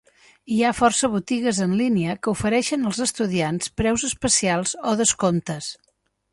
Hi ha força botigues en línia que ofereixen als estudiants preus especials o descomptes.